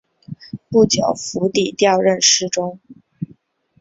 不久傅祗调任侍中。